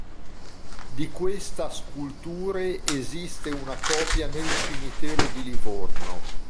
Di questa sculture esiste una copia nel cimitero di Livorno.